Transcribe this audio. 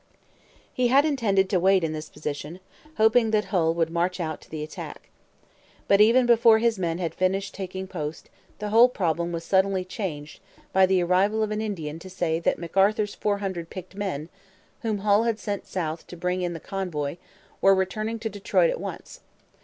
He had intended to wait in this position, hoping that Hull would march out to the attack. But, even before his men had finished taking post, the whole problem was suddenly changed by the arrival of an Indian to say that McArthur's four hundred picked men, whom Hull had sent south to bring in the convoy, were returning to Detroit at once.